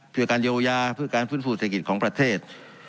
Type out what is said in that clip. เพื่อการเยียวยาเพื่อการฟื้นฟูเศรษฐกิจของประเทศ